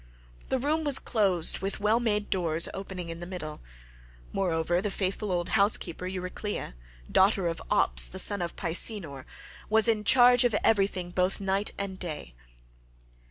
The room was closed with well made doors opening in the middle; moreover the faithful old house keeper Euryclea, daughter of Ops the son of Pisenor, was in charge of everything both night and day.